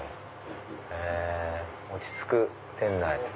へぇ落ち着く店内。